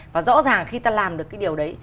và rõ ràng khi ta làm được cái điều đấy